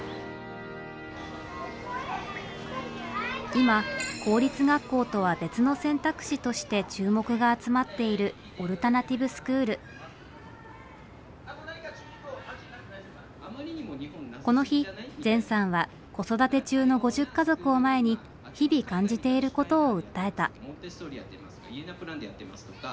今公立学校とは別の選択肢として注目が集まっているこの日善さんは子育て中の５０家族を前に日々感じていることを訴えた。